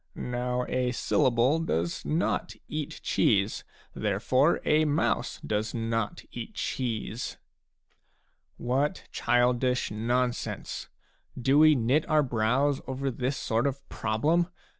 Now a syllable does not eat cheese. Therefore a mouse does not eat cheese." What childish non sense ! Do we knit our brows over this sort of problem